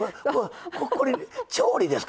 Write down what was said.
これ調理ですか？